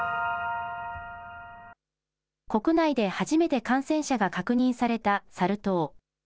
国内で初めて感染者が確認されたサル痘。